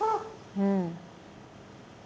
うん。